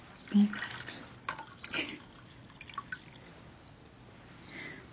フフ。